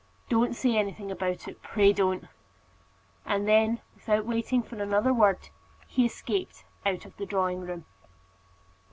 "Don't say anything about it; pray don't." And then, without waiting for another word, he escaped out of the drawing room.